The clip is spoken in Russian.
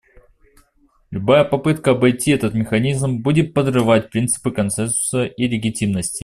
Любая попытка обойти этот механизм будет подрывать принципы консенсуса и легитимности.